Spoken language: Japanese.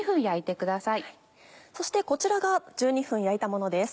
そしてこちらが１２分焼いたものです。